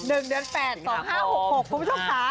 เดือน๘๒๕๖๖คุณผู้ชมค่ะ